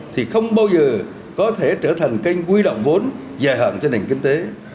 thì không bao giờ có thể trở thành kênh quy động vốn dài hạn cho nền kinh tế